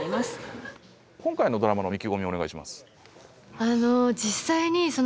今回のドラマの意気込みお願いします。